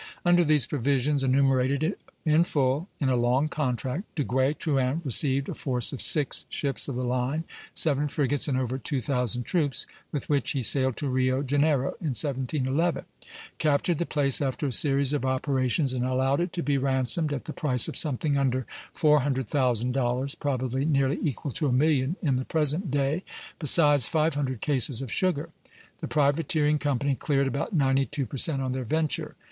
Under these provisions, enumerated in full in a long contract, Duguay Trouin received a force of six ships of the line, seven frigates, and over two thousand troops, with which he sailed to Rio Janeiro in 1711; captured the place after a series of operations, and allowed it to be ransomed at the price of something under four hundred thousand dollars, probably nearly equal to a million in the present day, besides five hundred cases of sugar. The privateering company cleared about ninety two per cent on their venture.